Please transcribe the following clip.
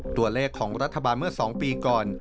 ตัวเลขของรัฐบาลเมื่อ๒ปีก่อน